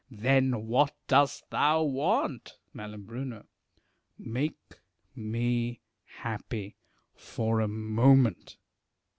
Then what dost thou want ? Mai. Make me happy for a moment.